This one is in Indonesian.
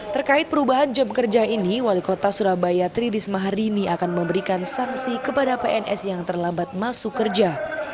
terkait perubahan jam kerja ini wali kota surabaya tri risma harini akan memberikan sanksi kepada pns yang terlambat masuk kerja